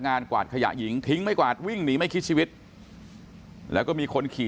กวาดขยะหญิงทิ้งไม่กวาดวิ่งหนีไม่คิดชีวิตแล้วก็มีคนขี่